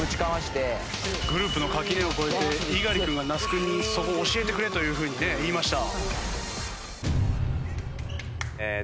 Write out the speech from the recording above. グループの垣根を越えて猪狩君が那須君にそこ教えてくれというふうにね言いました。